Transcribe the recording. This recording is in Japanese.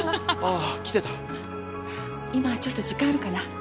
今ちょっと時間あるかな？